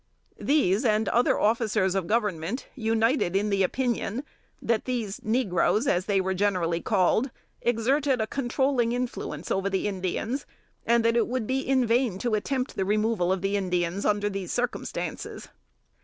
These and other officers of Government united in the opinion, that these "negroes," as they were generally called, exerted a controlling influence over the Indians, and that it would be in vain to attempt the removal of the Indians under these circumstances.